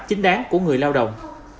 chính đáng của người lao động